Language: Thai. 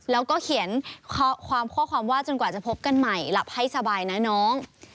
แล้วก็เขียนข้อความข้อความว่าจนกว่าจะพบกันใหม่หลับให้สบายนะน้อง